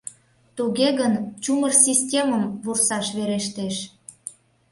— Туге гын чумыр системым вурсаш верештеш.